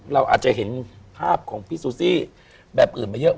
เราอาจจะเห็นภาพของพี่ซูซี่แบบอื่นมาเยอะ